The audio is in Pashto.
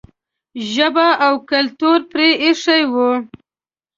ژبه او کلتور پرې ایښی و.